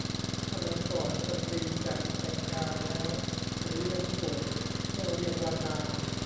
สมัยก่อนสตรีจะแต่งงานแล้วหรือยังโสด ก็เรียกว่านาง